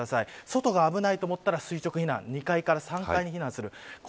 外が危ないと思ったら垂直避難２階から３階に避難する。